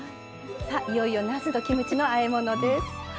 いよいよなすとキムチのあえ物です。